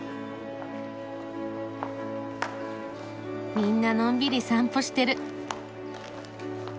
みんなのんびり散歩してる。